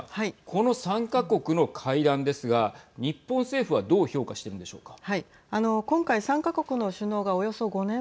この３か国の会談ですが日本政府は、どう評価しているんでしょうか。